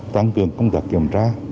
tăng cường công tác kiểm tra